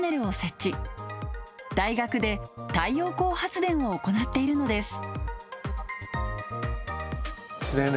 大学で太陽光発電を行っているのです